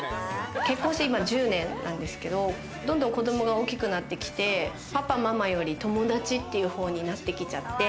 結婚して今１０年なんですけど、どんどん子供が大きくなってきて、パパ、ママより友達っていう方になってきちゃって。